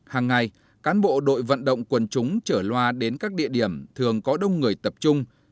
hàng ngày cán bộ đội vận động quần chúng chở loa đến các địa điểm thường có đông người tập trung